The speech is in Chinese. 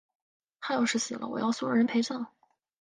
她要是死了，我要所有人陪葬！